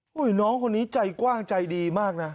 น้องคนนี้ใจกว้างใจดีมากนะ